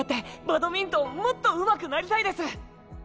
バドミントンもっと上手くなりたいです！